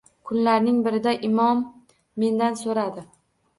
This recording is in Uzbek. Kunlarning birida imom mendan so`radi